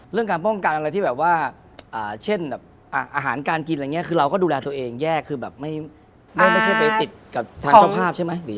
เรื่องการป้องกันอะไรที่แบบว่าเช่นแบบอาหารการกินอะไรอย่างนี้คือเราก็ดูแลตัวเองแยกคือแบบไม่ใช่ไปติดกับทางเจ้าภาพใช่ไหมหรือ